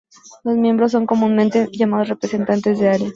Los miembros son comúnmente llamados "Representantes de área".